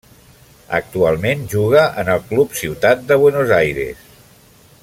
Actualment juga en el Club Ciutat de Buenos Aires.